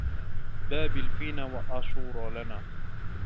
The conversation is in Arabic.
بابل فينا وآشور لنا